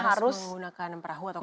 harus menggunakan perahu atau kapal